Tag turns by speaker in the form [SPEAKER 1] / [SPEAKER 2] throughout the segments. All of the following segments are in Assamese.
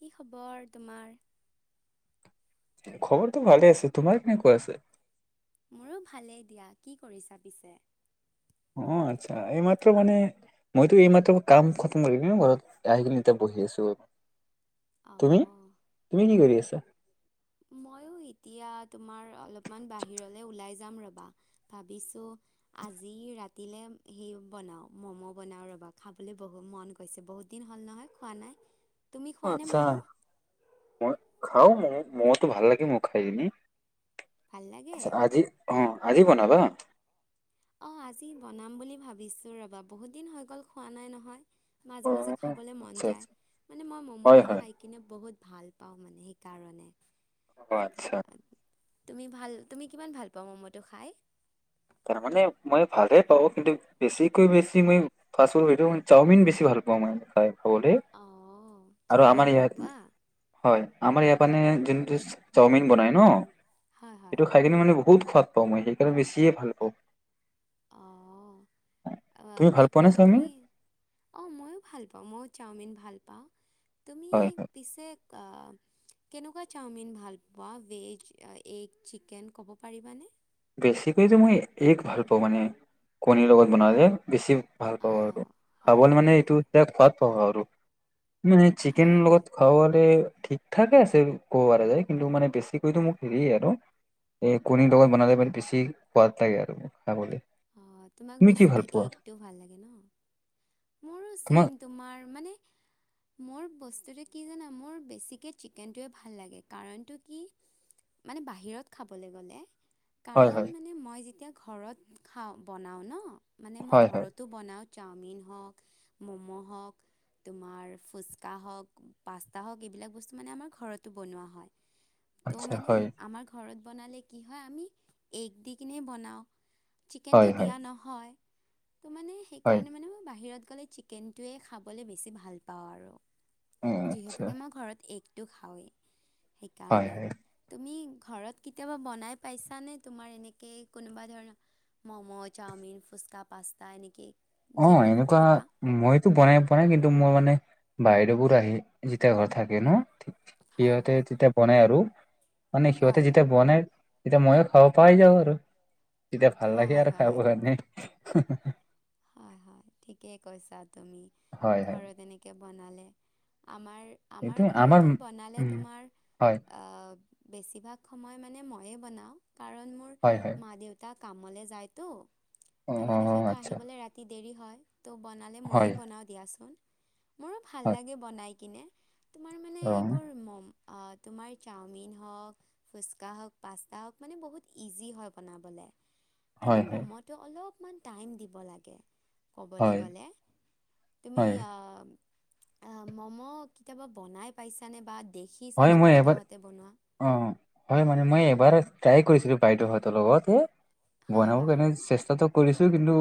[SPEAKER 1] কি খবৰ তোমাৰ?
[SPEAKER 2] খবৰটো ভালে আছে তোমাৰ কেনেকুৱা আছে?
[SPEAKER 1] মোৰো ভালেই দিয়া কি কৰিছা পিছে?
[SPEAKER 2] অ', আচ্ছা এইমাত্ৰ মানে মইতো এইমাত্ৰ কাম খতম কৰি পিনে ঘৰত, আহি কিনে এতিয়া বহি আছো। তুমি,
[SPEAKER 1] অ',
[SPEAKER 2] তুমি কি কৰি আছা?
[SPEAKER 1] মইও এতিয়া তোমাৰ অলপমান বাহিৰলৈ ওলাই যাম ৰবা, ভাবিছো আজি ৰাতিলে সেই বনাওঁ ম'ম' বনাওঁ ৰবা খাবলৈ বহু মন গৈছে বহু দিন হল নহয় খোৱা নাই, তুমি খোৱা নে ম'ম'?
[SPEAKER 2] খাওঁ ম'ম' মইতো ভাল লাগে ম'ম' খাইনি,
[SPEAKER 1] ভাল লাগে?
[SPEAKER 2] আজি অ', আজি বনাবা?
[SPEAKER 1] অ', আজি বনাম বুলি ভাবিছো ৰবা বহুত দিন হৈ গ'ল খোৱা নাই নহয়। মাজে- মাজে
[SPEAKER 2] অ'
[SPEAKER 1] খাবলৈ মন
[SPEAKER 2] আচ্ছা
[SPEAKER 1] যায়,
[SPEAKER 2] আচ্ছা
[SPEAKER 1] মানে মই
[SPEAKER 2] হয়
[SPEAKER 1] ম'ম'টো
[SPEAKER 2] হয়
[SPEAKER 1] খাই কিনে বহুত ভাল পাওঁ মানে সেইকাৰণে।
[SPEAKER 2] অ',
[SPEAKER 1] সেই
[SPEAKER 2] আচ্ছা।
[SPEAKER 1] তুমি ভাল তুমি কিমান ভাল পোৱা ম'ম'টো খাই?
[SPEAKER 2] তাৰ মানে মই ভালে পাওঁ কিন্তু, বেছিকৈ বেছি মই, [unintelligible] চাওমিন বেছি ভাল [unintelligible] বহুতেই,
[SPEAKER 1] অ'।
[SPEAKER 2] আৰু
[SPEAKER 1] চাওমিন
[SPEAKER 2] আমাৰ
[SPEAKER 1] ভাল
[SPEAKER 2] ইয়াত,
[SPEAKER 1] পোৱা?
[SPEAKER 2] হয়। আমাৰ ইয়াৰ মানে যোনটো চাওমিন বনাই ন,
[SPEAKER 1] হয় হয়
[SPEAKER 2] সেইটো খাই কিনে মানে বহুত সোৱাদ পাওঁ মই সেইকাৰণে বেছিয়ে ভাল পাওঁ।
[SPEAKER 1] অ',
[SPEAKER 2] [unintelligible] তুমি
[SPEAKER 1] অ',
[SPEAKER 2] ভাল
[SPEAKER 1] কি
[SPEAKER 2] পোৱা নে
[SPEAKER 1] কয়
[SPEAKER 2] চাওমিন?
[SPEAKER 1] তুমি, অ', ময়ো ভাল পাওঁ মইও চাওমিন ভাল পাওঁ। তুমি
[SPEAKER 2] হয় হয়
[SPEAKER 1] পিছে অ'
[SPEAKER 2] [unintelligible]
[SPEAKER 1] কেনেকুৱা চাওমিন ভাল পোৱা ভেজ, এগ, চিকেন ক'ব পাৰিবানে?
[SPEAKER 2] বেছিকৈতো মই এগ ভাল পাওঁ মানে কণীৰ লগত বনালে বেছি ভাল পাওঁ আৰু।
[SPEAKER 1] অ', হয়
[SPEAKER 2] খাবলৈ
[SPEAKER 1] হয়
[SPEAKER 2] মানে এইটো
[SPEAKER 1] হয়।
[SPEAKER 2] [unintelligible] সোৱাদ পাব আৰু, মানে চিকেন
[SPEAKER 1] হয় হয়
[SPEAKER 2] লগত খাবলে ঠিকঠাকে আছে ক'ব পৰা যায়, কিন্তু মানে বেছিকৈতো মোক হেৰিয়ে আৰু এই কণীৰ লগত বনালে মানে বেছি সোৱাদ লাগে আৰু, খাবলে।
[SPEAKER 1] অ', তোমাক
[SPEAKER 2] তুমি কি ভাল
[SPEAKER 1] বেছিকে
[SPEAKER 2] পোৱা?
[SPEAKER 1] এগটো ভাল লাগে ন? মোৰো
[SPEAKER 2] তোমাক
[SPEAKER 1] চেম তোমাৰ মানে
[SPEAKER 2] [unintelligible]
[SPEAKER 1] মোৰ বস্তুটো কি জানা মোৰ বেছিকে চিকেনটোৱে ভাল লাগে, কাৰণটো কি? মানে বাহিৰত খাবলৈ গ'লে
[SPEAKER 2] হয়
[SPEAKER 1] কাৰণ
[SPEAKER 2] হয়
[SPEAKER 1] মানে মই যেতিয়া ঘৰত খাওঁ বনাওঁ ন মানে মই
[SPEAKER 2] হয় হয়
[SPEAKER 1] ঘৰতো বনাওঁ চাওমিন হওক ম'ম' হওক। তোমাৰ ফুচকা হওক, পাস্তা হওঁক, এইবিলাক বস্তু মানে আমাৰ ঘৰতো বনোৱা হয়। ত'
[SPEAKER 2] আচ্ছা
[SPEAKER 1] মানে
[SPEAKER 2] হয়
[SPEAKER 1] আমাৰ ঘৰত বনালে কি হয়? আমি এগ দি কিনে বনাওঁ
[SPEAKER 2] হয়
[SPEAKER 1] চিকেনটো
[SPEAKER 2] হয়
[SPEAKER 1] দিয়া নহয়। ত' মানে
[SPEAKER 2] হয়
[SPEAKER 1] সেইকাৰণে মানে মই বাহিৰত গ'লে চিকেনটোৱে খাবলৈ বেছি ভাল পাওঁ আৰু।
[SPEAKER 2] উম, আচ্ছা
[SPEAKER 1] যিহেতুকে মই ঘৰত এগটো খাওঁৱেই
[SPEAKER 2] হয়
[SPEAKER 1] সেইকাৰণে
[SPEAKER 2] হয়।
[SPEAKER 1] তুমি ঘৰত কেতিয়াবা বনাই পাইছানে তোমাৰ এনেকেই কোনোবা ধৰণৰ? মম' চাওমিন, ফুচকা, পাস্তা এনেকে?
[SPEAKER 2] অ,
[SPEAKER 1] যিকোনো
[SPEAKER 2] এনেকুৱা
[SPEAKER 1] কিবা
[SPEAKER 2] মইতো বনাই বনাই কিন্তু মোৰ মানে বাইদেউবোৰ আহি যেতিয়া ঘৰত থাকে ন
[SPEAKER 1] হয়
[SPEAKER 2] সিহঁতে
[SPEAKER 1] হয়
[SPEAKER 2] তেতিয়া বনাই আৰু। মানে সিহঁতে
[SPEAKER 1] হয়
[SPEAKER 2] যেতিয়া বনাই তেতিয়া মইও খাব পাই যাওঁ আৰু। তেতিয়া ভাল
[SPEAKER 1] হয়
[SPEAKER 2] লাগে
[SPEAKER 1] হয়
[SPEAKER 2] আৰু খাব
[SPEAKER 1] হয়
[SPEAKER 2] কাৰণে।
[SPEAKER 1] হয়, হয় ঠিকেই কৈছা তুমি
[SPEAKER 2] হয় হয়
[SPEAKER 1] ঘৰত এনেকে বনালে আমাৰ আমাৰ ঘৰতো বনালে
[SPEAKER 2] উম
[SPEAKER 1] তোমাৰ
[SPEAKER 2] হয়
[SPEAKER 1] আহ বেছিভাগ সময় মানে ময়ে বনাওঁ। কাৰণ মোৰ
[SPEAKER 2] হয় হয়
[SPEAKER 1] মা-দেউতাক কামলে যায়তো।
[SPEAKER 2] অ অ আচ্ছা
[SPEAKER 1] কাটি দেৰি হয় তো বনালে ময়ে
[SPEAKER 2] হয়
[SPEAKER 1] বনাওঁ দিয়াচোন মোৰো ভাল লাগে বনাই কিনে তোমাৰ মানে
[SPEAKER 2] অহ
[SPEAKER 1] এইবোৰ মম অ তোমাৰ চাওমিন হওক ফুচকা হওক পাস্তা হওক মানে বহুত ইজি হয় বনাবলৈ কিন্তু
[SPEAKER 2] হয় হয়
[SPEAKER 1] ম'মটো অলপমান টাইম দিব লাগে। ক'বলৈ
[SPEAKER 2] হয়
[SPEAKER 1] গ'লে তুমি
[SPEAKER 2] হয়
[SPEAKER 1] আহ আ মম' কেতিয়াবা বনাই পাইছানে বা
[SPEAKER 2] হয়
[SPEAKER 1] দেখিছানে
[SPEAKER 2] মই এবাৰ
[SPEAKER 1] বাইদেউহঁতে বনোৱা?
[SPEAKER 2] অ হয় মানে মই এবাৰ ট্ৰাই কৰিছিলো বাইদেউহঁতৰ লগত এ
[SPEAKER 1] হয়,
[SPEAKER 2] বনাবৰ
[SPEAKER 1] হয়।
[SPEAKER 2] কাৰণে চেষ্টাটো কৰিছো কিন্তু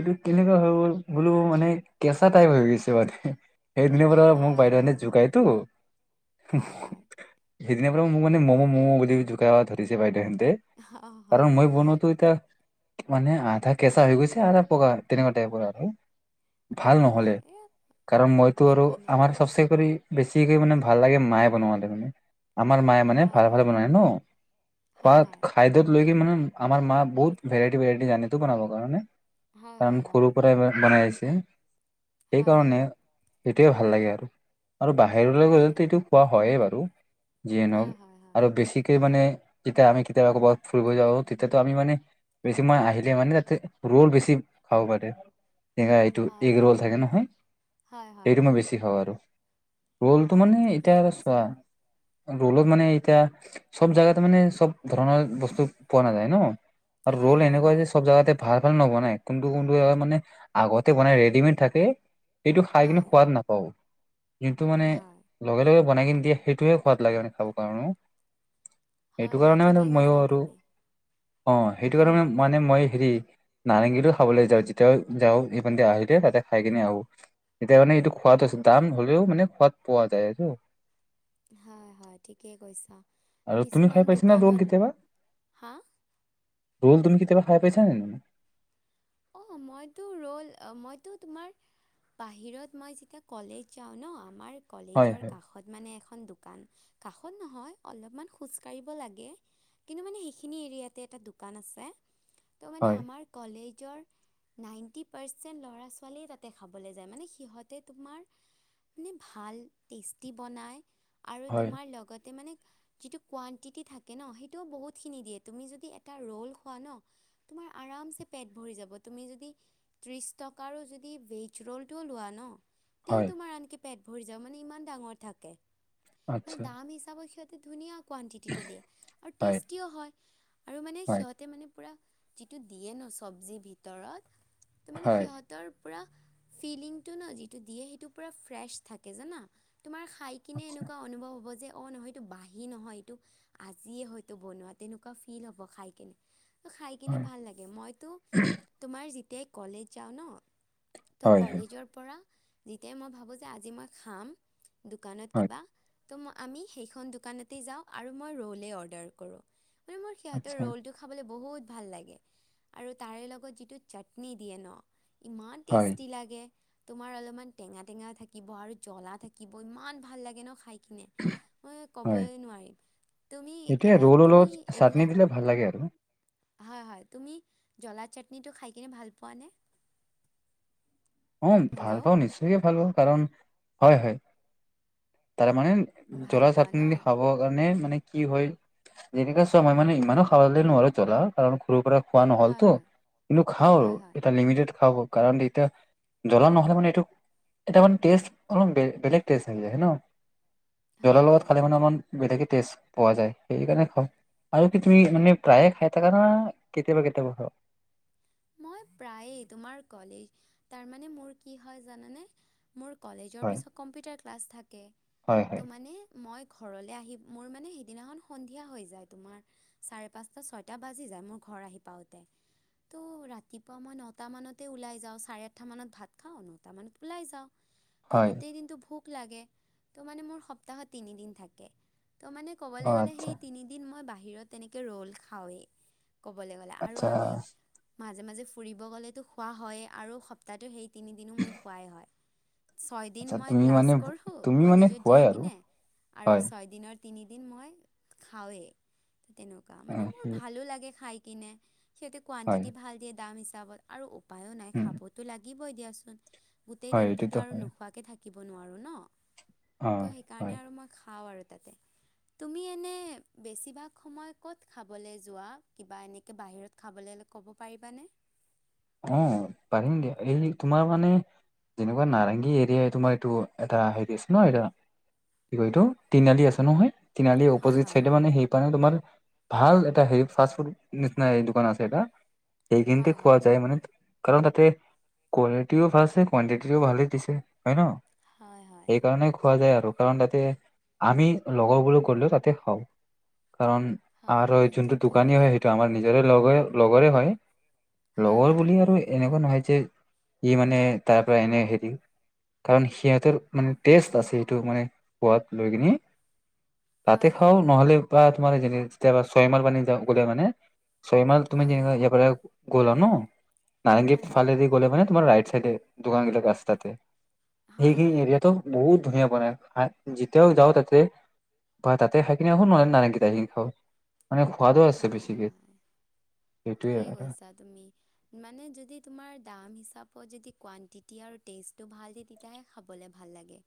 [SPEAKER 2] এইটো কেনেকোৱা হৈ গ'ল বোলো মানে কেঁচা টাইপ হৈ গৈছে মানে সেইদিনাৰ পৰা মোক
[SPEAKER 1] হয়, হয়,
[SPEAKER 2] বাইদেউহঁতে
[SPEAKER 1] হয়।
[SPEAKER 2] জোকাই তো
[SPEAKER 1] হয় হয়।
[SPEAKER 2] সেইদিনাৰ পৰা মোক মান মো মো বুলি জোকাব ধৰিছে বাইদেৱে যে
[SPEAKER 1] অ'
[SPEAKER 2] কাৰণ
[SPEAKER 1] হয়,
[SPEAKER 2] মই
[SPEAKER 1] হয়।
[SPEAKER 2] বনাতো এতিয়া মানে আধা কেঁচা হৈ গৈছে আধা পকা তেনেকোৱা টাইপৰ আৰু ভাল
[SPEAKER 1] হয়, হয়।
[SPEAKER 2] নহলে
[SPEAKER 1] এ
[SPEAKER 2] কাৰণ মইতো আৰু
[SPEAKER 1] একো নাই।
[SPEAKER 2] আমাৰ সবচে কৰি বেছি সেই মানে ভাল লাগে মায়ে বনোৱালে মানে। আমাৰ মায়ে মানে
[SPEAKER 1] হয়,
[SPEAKER 2] ভাল ভাল
[SPEAKER 1] হয়।
[SPEAKER 2] বনাই ন
[SPEAKER 1] হয়,
[SPEAKER 2] খোৱাত
[SPEAKER 1] হয়।
[SPEAKER 2] খাদ্যত লৈকে মানে আমাৰ মা বহুত ভেৰাইটি ভেৰাইটি জানেতো বনাবৰ কাৰণে
[SPEAKER 1] হয়,
[SPEAKER 2] কাৰণ
[SPEAKER 1] হয়, হয়।
[SPEAKER 2] সৰুৰ পৰাই বনাই আইছে
[SPEAKER 1] হয়, হয়।
[SPEAKER 2] সেইকাৰণে সেইটোৱে ভাল লাগে আৰু আৰু বাহিৰলৈ গ'লে
[SPEAKER 1] হয়।
[SPEAKER 2] খোৱা হয়ে বাৰু যিয়ে নহওক
[SPEAKER 1] হয় হয় হয়
[SPEAKER 2] আৰু বেছিকে মানে যেতিয়া আমি কেতিয়াবা কবাত ফুৰিব যাওঁ তেতিয়া তো আমি মানে বেছি মা আহিলে মানে তাতে ৰ'ল বেছি খাব পাৰে এনেকা এইটো
[SPEAKER 1] হয়
[SPEAKER 2] এগ ৰল
[SPEAKER 1] হয়
[SPEAKER 2] থাকে নহয়
[SPEAKER 1] হয় হয়
[SPEAKER 2] এইটো
[SPEAKER 1] হয়
[SPEAKER 2] মই বেছি খাওঁ আৰু ৰোলটো
[SPEAKER 1] হয়
[SPEAKER 2] মানে এতিয়া
[SPEAKER 1] ঠিকেই
[SPEAKER 2] আৰু
[SPEAKER 1] কৈছা
[SPEAKER 2] চোৱা ৰোলত মানে এতিয়া চব জাগাতে মানে চব ধৰণৰ বস্তু পোৱা নাযায় ন আৰু
[SPEAKER 1] হয়
[SPEAKER 2] ৰল
[SPEAKER 1] হয়
[SPEAKER 2] এনেকোৱা
[SPEAKER 1] হয়
[SPEAKER 2] যে চব জেগাতে ভাল ভাল নবনাই কোনটো কোনটো এৰ মানে আগতে বনাই ৰেডিমেড থাকে। এইটো খাই কিনে
[SPEAKER 1] হয়
[SPEAKER 2] সোৱাদ নাপাও যিটো মানে
[SPEAKER 1] হয়
[SPEAKER 2] লগে লগে বনাই কিনি দিয়ে সেইটোৱে সোৱাদ লাগে মানে খাবৰ কাৰণে
[SPEAKER 1] হয়
[SPEAKER 2] সেইটো
[SPEAKER 1] হয়
[SPEAKER 2] কাৰণে মানে
[SPEAKER 1] ঠিকেই
[SPEAKER 2] মইয়ো
[SPEAKER 1] কৈছা
[SPEAKER 2] আৰু
[SPEAKER 1] তুমি
[SPEAKER 2] অ সেইটো
[SPEAKER 1] কোন
[SPEAKER 2] কাৰণে মানে মই হেৰি নাৰেঙংগীতো খাবলৈ যাওঁ যেতিয়াও যাওঁ সেইপিনেদি আহি দিয়ে তাতে খাই কিনে আহো। এতিয়া মানে এইটো সোৱাদ আছে দাম হলেও মানে সোৱাদ পোৱা যায় এইটো
[SPEAKER 1] হয় হয় ঠিকেই কৈছা
[SPEAKER 2] আৰু তুমি
[SPEAKER 1] কিছুমান
[SPEAKER 2] খাই পাইছা না ৰোল
[SPEAKER 1] দোকানত
[SPEAKER 2] কেতিয়াবা
[SPEAKER 1] হা
[SPEAKER 2] ৰোল তুমি কিতিয়াবা খাই পাইছা নে ন
[SPEAKER 1] অ মইতো ৰল মইতো তোমাৰ বাহিৰত মই যেতিয়া কলেজ যাওঁ ন আমাৰ
[SPEAKER 2] হয়
[SPEAKER 1] কলেজৰ
[SPEAKER 2] হয়
[SPEAKER 1] কাষত মানে এখন দোকান কা খন নহয় অলপমান খোজকাঢ়িব লাগে। কিন্তু মানে সেইখিনি এৰিয়াতে এটা দোকান আছে ত' মানে
[SPEAKER 2] হয়
[SPEAKER 1] আমাৰ কলেজৰ। নাইনটি পাৰচেণ্ট ল'ৰা ছোৱালীয়ে তাতে খাবলৈ যায় মানে সিহঁতে তোমাৰ মানে ভাল টেষ্টি বনাই আৰু
[SPEAKER 2] হয়
[SPEAKER 1] তোমাৰ লগতে মানে যি কোৱণ্টিটি থাকে ন সেইটোও বহুতখিনি দিয়ে তুমি যদি এটা ৰ'ল খোৱা ন! আৰামচে পেট ভৰি যাব। তুমি য ত্ৰিশ টকাৰো যদি ভেজ ৰ'লটো লোৱা ন তেও
[SPEAKER 2] হয়
[SPEAKER 1] তোমাৰ আনকি পেট ভৰি যাব মানে ইমান ডাঙৰ থাকে।
[SPEAKER 2] আচ্ছা
[SPEAKER 1] দাম হিচাপত সিহঁতি ধুনীয়া। কোৱণ্টিটিটো দিয়ে আৰু
[SPEAKER 2] হয়
[SPEAKER 1] টেষ্টিও হয়। আৰু মানে
[SPEAKER 2] হয়
[SPEAKER 1] সিহঁতে মানে পূৰা যিটো দিয়ে ন চব্জিৰ ভিতৰত তাৰ মানে
[SPEAKER 2] হয়
[SPEAKER 1] সিহঁতৰ পৰা ফিলিংটো ন যিটো দিয়ে সেইটো পুৰা ফ্ৰেছ থাকে জানা। তোমাৰ খাই কিনে
[SPEAKER 2] আচ্ছা
[SPEAKER 1] এনেকুৱা অনুভৱ হ'ব যে, অঁ নহয় এইটো বাঁহী নহয়, এইটো আজিয়ে হয়তো বনোৱা। তেনেকুৱা ফিল হ'ব খাই কেনে। খাই কিনে
[SPEAKER 2] হয়
[SPEAKER 1] ভাল লাগে। মইতো তোমাৰ যেতিয়াই কলেজ যাওঁ ন ত'
[SPEAKER 2] হয় হয়
[SPEAKER 1] কলেজৰ পৰা যেতিয়াই মই ভাবোঁ যে আজি মই খাম দোকানত
[SPEAKER 2] হয়
[SPEAKER 1] কিবা। ত' আমি সেইখন দোকানতেই যাওঁ আৰু মই ৰ'লেই অৰ্ডাৰ কৰোঁ। মানে মোৰ সিহঁতৰ
[SPEAKER 2] আচ্ছা
[SPEAKER 1] ৰ'লটো খাবলৈ বহুত ভাল লাগে আৰু তাৰে লগত যি টো চাটনি দিয়ে ন, ইমান
[SPEAKER 2] হয়
[SPEAKER 1] টেষ্টটি লাগে। তোমাৰ অলপমান টেঙা টেঙা থাকিব আৰু জ্বলা থাকিব ইমান ভাল লাগে ন খাই। মই ক'বই নোৱাৰিম। তুমি
[SPEAKER 2] এইটোৱে
[SPEAKER 1] আহ
[SPEAKER 2] ৰোলৰ
[SPEAKER 1] তুমি
[SPEAKER 2] লগত চাটনি
[SPEAKER 1] এইবিলাক
[SPEAKER 2] দিলে ভাল লাগে আৰু।
[SPEAKER 1] হয় হয়। তুমি জলা চাটনিটো খাই কিনে ভাল পোৱা নে?
[SPEAKER 2] উ ভাল পাওঁ
[SPEAKER 1] হেল্ল'
[SPEAKER 2] নিশ্চয়কে ভাল পাওঁ। কাৰণ হয় হয় তাৰ মানে
[SPEAKER 1] ভাল
[SPEAKER 2] জলা
[SPEAKER 1] পোৱা ন
[SPEAKER 2] চাটনি খাব কাৰণে মানে কি হয়, যেনেকা চোৱা মই মানে ইমানো খাবালে নোৱাৰো জ্বলা কাৰণ, সৰুৰ পৰা খোৱা
[SPEAKER 1] হয়
[SPEAKER 2] নহ'লতো,
[SPEAKER 1] হয়
[SPEAKER 2] কিন্তু খাও আৰু
[SPEAKER 1] হয় হয়
[SPEAKER 2] এটা লিমিটেড খাব কাৰণ এতিয়া জ্বলা নহ'লে মানে এটা মষ্ট অলমান বেলেগ টেষ্ট আহি যায় হ ন। জ্বলাৰ
[SPEAKER 1] হয়
[SPEAKER 2] লগত
[SPEAKER 1] হয়
[SPEAKER 2] খালে মানে অলমান বেলেগে টেষ্ট পোৱা যায়, সেইকাৰণে খাওঁ। আৰু কি তুমি মানে প্ৰায়ে খাই থাকা না কেতিয়াবা কেতিয়াবা খোৱা হয়?
[SPEAKER 1] মই প্ৰায়ে তোমাৰ কলেজ তাৰমানে মোৰ কি হয় জানানে, মোৰ কলেজৰ
[SPEAKER 2] হয়
[SPEAKER 1] পিছত কম্পিউটাৰ ক্লাছ থাকে।
[SPEAKER 2] হয় হয়
[SPEAKER 1] ত' মানে মই ঘৰলৈ আহি মোৰ মানে সেইদিনাখন সন্ধিয়া হৈ যায়, তোমাৰ চাৰে পাঁচটা ছয়টা বাজি যায়। মোৰ ঘৰ ঘৰ আহি পাওঁতে। তো ৰাতিপুৱা মই নটামানতে ওলাই যাওঁ, চাৰে আঠটাামানত ভাত খাওঁ, নটামানত ওলাই যাওঁ। ত
[SPEAKER 2] হয়
[SPEAKER 1] গোটেই দিনটো ভোক লাগে, ত মানে মোৰ সপ্তাহত তিনিদিন থাকে। ত' মানে ক'বলৈ
[SPEAKER 2] অ
[SPEAKER 1] গ'লে
[SPEAKER 2] আচ্ছা
[SPEAKER 1] সেই তিনিদিন মই বাহিৰত তেনেকে ৰ'ল খাওঁৱেই। ক'বলৈ গ'লে আৰু
[SPEAKER 2] আচ্ছা
[SPEAKER 1] আমি মাজে মাজে ফুৰিব গ'লেতো খোৱা হয়। আৰু সপ্তাহটো সেই তিনিদিনো মোৰ খোৱাই হয়। ছয়দিন
[SPEAKER 2] আচ্ছা
[SPEAKER 1] মই
[SPEAKER 2] তুমি
[SPEAKER 1] ক্লাছ
[SPEAKER 2] মানে
[SPEAKER 1] কৰোঁ,
[SPEAKER 2] তুমি মানে
[SPEAKER 1] কলেজত
[SPEAKER 2] খোৱাই
[SPEAKER 1] যাই
[SPEAKER 2] আৰু
[SPEAKER 1] কিনে আৰু
[SPEAKER 2] হয়
[SPEAKER 1] ছয়দিনত তিনিদিন মই খাওৱেই। তেনেকুৱা মানে
[SPEAKER 2] অ'
[SPEAKER 1] মোৰ
[SPEAKER 2] সেই
[SPEAKER 1] ভালো লাগে খাই। কিনে সিহঁতে
[SPEAKER 2] হয়,
[SPEAKER 1] কোৱণ্টিটি ভাল দিয়ে দাম হিচাপত আৰু উপায়ো নাই
[SPEAKER 2] উম,
[SPEAKER 1] খাবতো লাগিবই দিয়াচোন। গোটেই
[SPEAKER 2] হয়
[SPEAKER 1] দিনটোতো
[SPEAKER 2] এইটোতো
[SPEAKER 1] আৰু
[SPEAKER 2] হয়,
[SPEAKER 1] নোখোৱাকে থাকিব নোৱাৰো ন।
[SPEAKER 2] অ'
[SPEAKER 1] ত' সেইকাৰণে
[SPEAKER 2] হয়।
[SPEAKER 1] আৰু মই খাওঁ আৰু। তাতে
[SPEAKER 2] [inaudible]
[SPEAKER 1] তুমি এনে বেছিভাগ সময় কত খাবলৈ যোৱা, কিবা এনেকে বাহিৰত খাবলৈ কব পাৰিবানে?
[SPEAKER 2] অ', পাৰিম দিয়া। এই তোমাৰ মানে যেনেকুৱা নাৰেংগী এৰিয়াই তোমাৰ এইটো এটা হেৰি আছে ন এতিয়া কি কৈ এতো তিনালি আছে নহয়, তিনআলী
[SPEAKER 1] হয়
[SPEAKER 2] অপজিত
[SPEAKER 1] হয়
[SPEAKER 2] চাইডে মানে সেই তোমাৰ ভাল এটা হে ফাষ্ট ফুদ নিচিনা দোকান আছে, এটা সেইখিন
[SPEAKER 1] হয়
[SPEAKER 2] খোৱা
[SPEAKER 1] হয়
[SPEAKER 2] যায় মানে কাৰণ তাতে কোৱালিটিও ভালছে, কুৱানটিটিও ভালেই দিছে। হয় ন?
[SPEAKER 1] হয় হয়
[SPEAKER 2] সেইকাৰণে খোৱা যায় আৰু কাৰণ তাতে আমি লগৰবোৰ গলেও তাতে খাওঁ। কাৰণ
[SPEAKER 1] হয়
[SPEAKER 2] আৰু
[SPEAKER 1] হয়
[SPEAKER 2] যোনটো
[SPEAKER 1] ঠিকেই
[SPEAKER 2] দোকানী হয়,
[SPEAKER 1] কৈছা
[SPEAKER 2] সেইটো আমাৰ নিজৰে লগৰে লগৰে হয়।
[SPEAKER 1] হয়
[SPEAKER 2] লগৰ
[SPEAKER 1] হয়
[SPEAKER 2] বুলি আৰু এনেকুৱা নহয় যে ই মানে তাৰ পৰা এনে হেৰি কাৰণ সিহঁতৰ মানে টেষ্ট আছে, সেইটো মানে সোৱাত লৈ কিনে।
[SPEAKER 1] হয়
[SPEAKER 2] তাতে
[SPEAKER 1] হয়
[SPEAKER 2] খাওঁ নহ'লে বা তোমাৰ যে যেতিয়াবা ছয়মাৰ পানী যা গোলে মানে চয়মাৰ তুমি
[SPEAKER 1] হয় হয়
[SPEAKER 2] যে পৰা গ'লা ন? নাৰংগী
[SPEAKER 1] হয় হয়
[SPEAKER 2] ফালদি গ'লে মানে তোমাৰ ৰাইট চাইডে দোকান গিলক আছে তাতে
[SPEAKER 1] হয় হয়
[SPEAKER 2] সেইখিনি
[SPEAKER 1] হয়
[SPEAKER 2] এৰিয়াটো বহুত ধুনীয়া বনাই যেতিয়াও যাওঁ তাতে বা তাতে খাই কিনি নহলে নাৰেংগীট আহি খাওঁ। মানে সোৱাদো আছে বেছিকে
[SPEAKER 1] হয়
[SPEAKER 2] সেইটোৱে
[SPEAKER 1] ঠিকেই
[SPEAKER 2] আৰু।
[SPEAKER 1] কৈছা তুমি মানে যদি তোমাৰ দাম হিচাপত যদি কোৱান্তি তেতিয়া আৰু টেষ্টটো ভাল দিয়ে তেতিয়াহে খাবলৈ ভাল লাগে।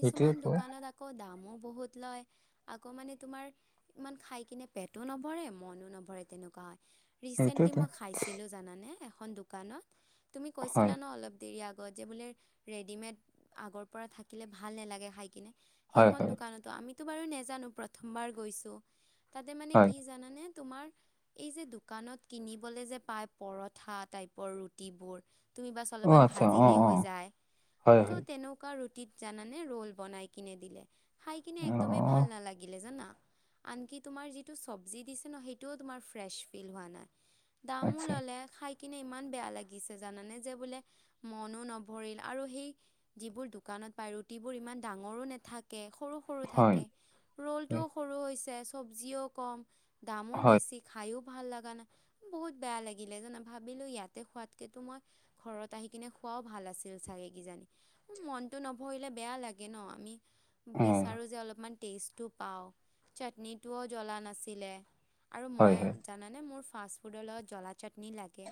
[SPEAKER 2] সেইটোয়ে কোৱা
[SPEAKER 1] দোকানত আকৌ দামো বহুত লয় আকৌ মানে তোমাৰ ইমান খাই কিনে পেটো নভৰে মনো নভৰে তেনেকুৱা হয়। ৰিচেন্টলি
[SPEAKER 2] সেইটোয়েতো
[SPEAKER 1] মই খাইছিলো জানানে এখন দোকানত তুমি
[SPEAKER 2] হয়
[SPEAKER 1] কৈছিলা ন অলপ দেৰি আগ আগত যে বোলে ৰেডিমেড আগৰ পৰা থাকিলে ভাল নালাগে খাই কিনে।
[SPEAKER 2] হয়
[SPEAKER 1] সেইখন
[SPEAKER 2] হয়
[SPEAKER 1] দোকানতো আমিতো বাৰু নেজানো প্ৰথমবাৰ গৈছো তাতে মানে
[SPEAKER 2] হয়
[SPEAKER 1] কি জানানে? তোমাৰ এই যে দোকানত কিনিবলে যে পাই পৰঠা টাইপৰ ৰুটিবোৰ তুমি বাছ
[SPEAKER 2] অ
[SPEAKER 1] অলপমান
[SPEAKER 2] আচ্ছা অ
[SPEAKER 1] ভাজিলেই
[SPEAKER 2] অ
[SPEAKER 1] হৈ যায়।
[SPEAKER 2] হয়
[SPEAKER 1] ত
[SPEAKER 2] হয়
[SPEAKER 1] তেনেকুৱা টিত জানানে ৰ'ল বনাই কিনে দিলে। খাই কিনে একদমেই
[SPEAKER 2] অহ
[SPEAKER 1] ভাল নালাগিলে জানা? আনকি তোমাৰ যিটো চৱজি দিছে ন সেইটো তোমাৰ ফ্ৰেছ ফিল হোৱা নাই। দামো
[SPEAKER 2] আচ্ছা
[SPEAKER 1] ললে, খাই কিনে ইমান বেয়া লাগিছে জানানে? যে বোলে মনো নভৰিল আৰু সেই যিবোৰ দোকান পায় ৰুটিবোৰ ইমান ডাঙৰো নাথাকে। সৰু-সৰু
[SPEAKER 2] হয়
[SPEAKER 1] থাকে।
[SPEAKER 2] হয়
[SPEAKER 1] ৰ'লটোও সৰু হৈছে, চব্জিও কম
[SPEAKER 2] অ
[SPEAKER 1] দামো বেছি, খায়ো ভাল লগা নাই, বহুত বেয়া লাগিলে জানা? ভাবিলো ইয়াতে খোৱাতকেতো মই ঘৰত আহি কিনে খো অ', ভাল আছিল চাগে কিজানি, মনটো নভৰিলে বেয়া লাগে ন? আমি বিচাৰো যে অলপমান টেষ্টটো পাওঁ চাটনিটোও জ্বলা নাছিলে আৰু
[SPEAKER 2] হয়
[SPEAKER 1] মই
[SPEAKER 2] হয়
[SPEAKER 1] মানে মোৰ ফাষ্ট ফুডৰ লগত জ্বলা চাটনি লাগে,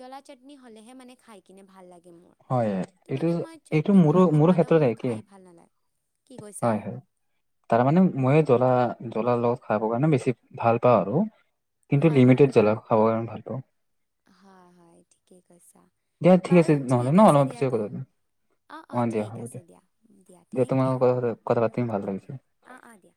[SPEAKER 1] জ্বলা চাটনি হ'লেহে মানে খাই কিনে ভাল লাগে। মুৰ।
[SPEAKER 2] হয়
[SPEAKER 1] ত
[SPEAKER 2] এইটো
[SPEAKER 1] মানে মই
[SPEAKER 2] এইটো
[SPEAKER 1] চাটনি
[SPEAKER 2] মোৰো
[SPEAKER 1] ভাল
[SPEAKER 2] মোৰো
[SPEAKER 1] নাপালেও
[SPEAKER 2] ক্ষেত্ৰত
[SPEAKER 1] মোৰ
[SPEAKER 2] একে
[SPEAKER 1] খাই ভাল নালাগে। কি কৈছা?
[SPEAKER 2] হয় হয় তাৰ মানে ময়ে জ্বলা জ্বলাৰ লগত খাব কাৰণে বেছি ভাল পাওঁ আৰু কিন্তু লিমিটেড জ্বলা খাব কাৰণে ভাল পাওঁ।
[SPEAKER 1] হয়-হয় ঠিকেই। কৈছা।
[SPEAKER 2] দিয়া ঠিক আছে
[SPEAKER 1] বাৰু
[SPEAKER 2] নহলে
[SPEAKER 1] ঠিক
[SPEAKER 2] ন?
[SPEAKER 1] আছে
[SPEAKER 2] অলপমান
[SPEAKER 1] দিয়া
[SPEAKER 2] পিছত
[SPEAKER 1] তে।
[SPEAKER 2] কথা পাতিম। অ', দিয়া, হ'ব দিয়া, হব দিয়া। তোমাৰ লগত কথা পাতি ভাল
[SPEAKER 1] দিয়া
[SPEAKER 2] লাগিছে। [inaudible]
[SPEAKER 1] অ' অ' দিয়া।